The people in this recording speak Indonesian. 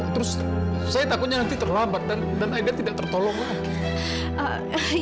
terus saya takutnya nanti terlambat dan akhirnya tidak tertolong lagi